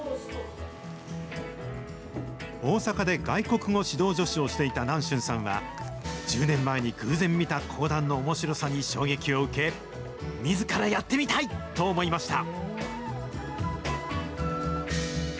大阪で外国語指導助手をしていた南春さんは、１０年前に偶然見た講談のおもしろさに衝撃を受け、みずからやってみたいと思いました。